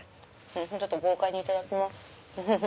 ちょっと豪快にいただきます。